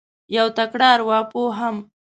یو تکړه اروا پوه هم